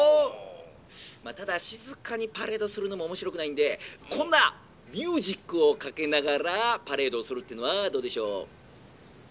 まあただ静かにパレードするのも面白くないんでこんなミュージックをかけながらパレードをするっていうのはどうでしょう？」。